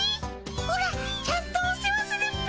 オラちゃんとお世話するっピ。